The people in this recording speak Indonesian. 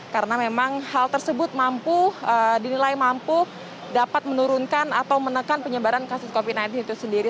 karena memang hal tersebut mampu dinilai mampu dapat menurunkan atau menekan penyebaran kasus covid sembilan belas itu sendiri